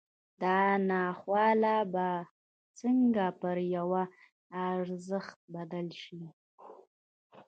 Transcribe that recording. دا ناخواله به څنګه پر یوه ارزښت بدله شي